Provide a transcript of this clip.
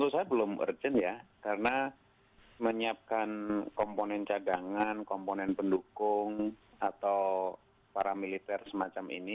tereputnya misalkan ada komponen komponen cadangan komponen pendukung atau paramiliter semacam ini